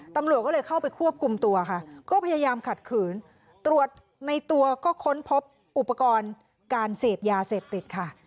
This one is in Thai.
ตำรวจก็เลยเข้าไปควบคุมตัวค่ะก็พยายามขัดขืนตรวจในตัวก็ค้นพบอุปกรณ์การเสพยาเสพติดค่ะ